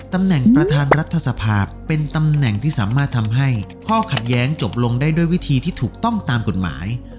ตำแหน่งประธานรัฐสภาเป็นตำแหน่งที่สามารถทำให้ข้อขัดแย้งจบลงได้ด้วยวิธีที่ถูกต้องตามกฎหมาย